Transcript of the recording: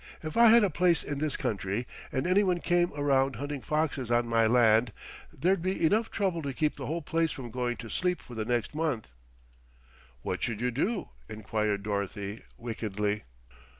"If I had a place in this country and anyone came around hunting foxes on my land, there'd be enough trouble to keep the whole place from going to sleep for the next month." "What should you do?" enquired Dorothy wickedly.